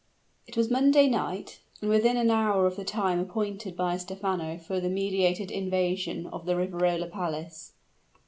It was Monday night, and within an hour of the time appointed by Stephano for the meditated invasion of the Riverola Palace.